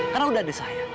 karena udah ada saya